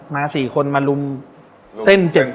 มา๔คนลุ้มเส้น๗หลัว